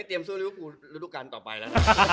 เตรียมสู้ฤทธิ์ที่รู้กันต่อไปนะ